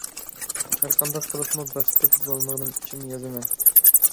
ھەر قانداق قىلىپمۇ بەختلىك بولالمىغىنىم ئۈچۈن يازىمەن.